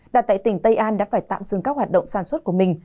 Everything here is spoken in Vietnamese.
đặt tại tỉnh tây an đã phải tạm dừng các hoạt động sản xuất của mình